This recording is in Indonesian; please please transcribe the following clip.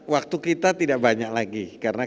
waktu kita tidak banyak lagi karena